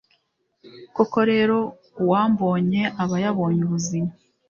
koko rero, uwambonye aba yabonye ubuzima